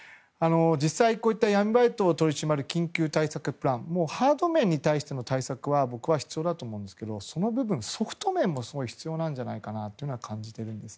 実際、こういった闇バイトを取り締まる緊急対策プランハード面に対しても必要だと思いますがその部分、ソフト面も必要なんじゃないかと感じているんです。